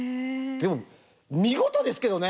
でも見事ですけどね